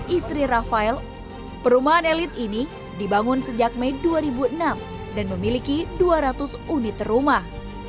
istri rafael perumahan elit ini dibangun sejak mei dua ribu enam dan memiliki dua ratus unit rumah